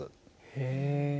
へえ。